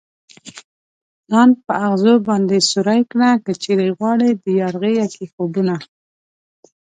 ځان په ازغو باندې سوری كړه كه چېرې غواړې ديار غېږه كې خوبونه